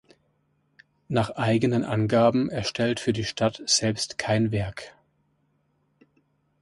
Nach eigenen Angaben erstellt für die Stadt selbst kein Werk.